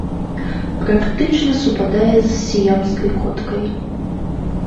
Практычна супадае з сіямскай коткай.